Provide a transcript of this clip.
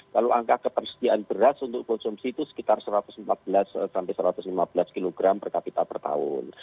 kalau angka ketersediaan beras untuk konsumsi itu sekitar satu ratus empat belas sampai satu ratus lima belas kg per kapita per tahun